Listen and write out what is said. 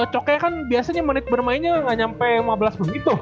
cokke kan biasanya menit bermainnya gak sampai lima belas menit tuh